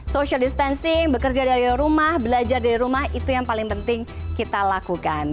social distancing bekerja dari rumah belajar dari rumah itu yang paling penting kita lakukan